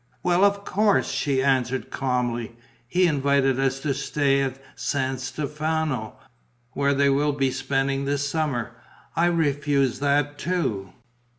"Well, of course," she answered, calmly. "He invited us to stay at San Stefano, where they will be spending the summer. I refused that too."